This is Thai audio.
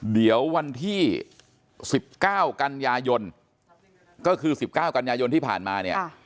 เดี๋ยววันที่๑๙กันยายนก็คือ๑๙กันยายนที่ผ่านมาเนี่ย